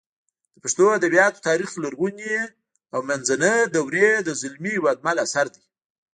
د پښتو ادبیاتو تاریخ لرغونې او منځنۍ دورې د زلمي هېوادمل اثر دی